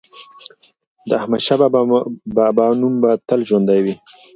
د احمدشاه بابا نوم به تل ژوندی وي.